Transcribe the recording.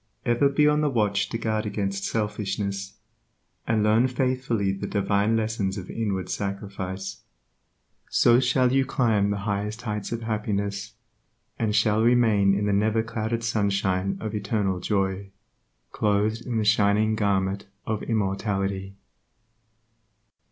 Ever be on the watch to guard against selfishness, and learn faithfully the divine lessons of inward sacrifice; so shall you climb the highest heights of happiness, and shall remain in the neverclouded sunshine of universal joy, clothed in the shining garment of immortality.